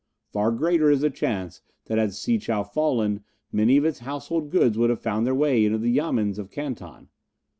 Far greater is the chance that had Si chow fallen many of its household goods would have found their way into the Yamens of Canton.